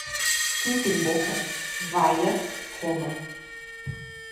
Quem tem boca, vaia Roma